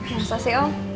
masa sih el